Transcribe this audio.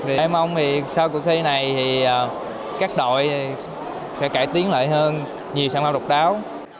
lê mong thì sau cuộc thi này thì các đội sẽ cải tiến lại hơn nhiều sản phẩm độc đáo